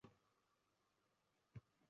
chunki dam olish kunlari juda yaxshi oʻtadi.